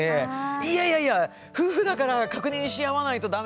いやいやいや夫婦だから確認し合わないとダメですよって。